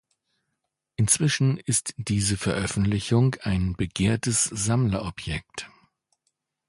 Inzwischen ist diese Veröffentlichung ein begehrtes Sammlerobjekt.